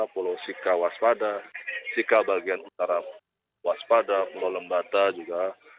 pulau sika waspada sika bagian utara waspada pulau lembata juga